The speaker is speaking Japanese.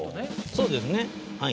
そうですねはい。